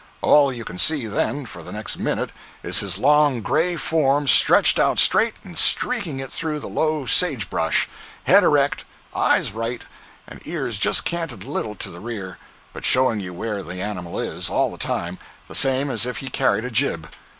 All you can see, then, for the next minute, is his long gray form stretched out straight and "streaking it" through the low sage brush, head erect, eyes right, and ears just canted a little to the rear, but showing you where the animal is, all the time, the same as if he carried a jib.